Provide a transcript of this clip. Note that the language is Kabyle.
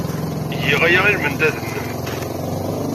Giɣ aya i lmendad-nnem.